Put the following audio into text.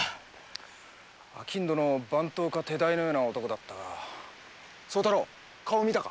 商人の番頭か手代のような男だったが顔を見たか？